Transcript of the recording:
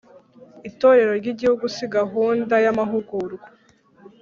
Itorero ry’Igihugu si gahunda y’amahugurwa